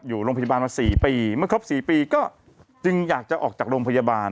อยู่โรงพยาบาลมา๔ปีเมื่อครบ๔ปีก็จึงอยากจะออกจากโรงพยาบาล